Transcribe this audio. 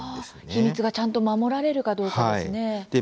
秘密がちゃんと守られるかどうかですね。